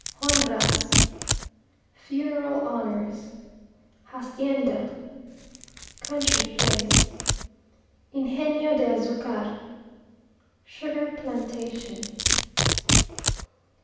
Honras Funeral honours. Hacienda Country place. Ingenio de Azucar Sugar plantation.